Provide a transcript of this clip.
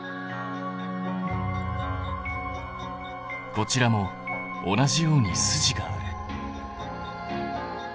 こちらも同じように筋がある。